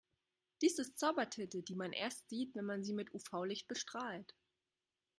Dies ist Zaubertinte, die man erst sieht, wenn man sie mit UV-Licht bestrahlt.